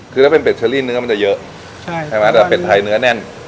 คือถ้าเป็นเป็ดเชอรี่เนื้อมันจะเยอะใช่ไหมแต่เป็ดไทยเนื้อแน่น